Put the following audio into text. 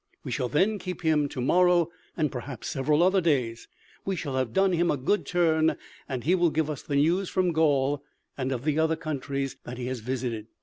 We shall then keep him to morrow, and perhaps several other days. We shall have done him a good turn, and he will give us the news from Gaul and of the other countries that he has visited."